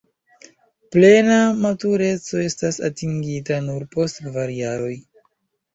Plena matureco estas atingita nur post kvar jaroj.